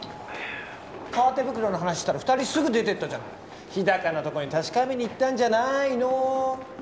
革手袋の話したら２人すぐ出てったじゃない日高のとこに確かめに行ったんじゃないの？